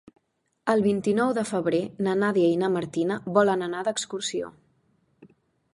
El vint-i-nou de febrer na Nàdia i na Martina volen anar d'excursió.